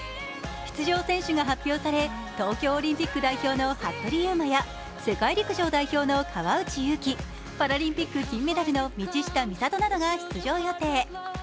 出場選手が発表され、東京オリンピック代表の服部勇馬や世界陸上代表の川内優輝、パラリンピック金メダルの道下美里などが出場予定。